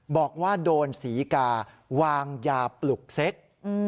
บอกว่าโดนศรีกาวางยาปลุกเซ็ก